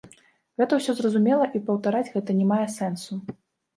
Гэта ўсё зразумела і паўтараць гэта не мае сэнсу.